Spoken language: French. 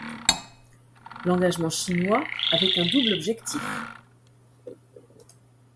L’engagement chinois avait un double objectif.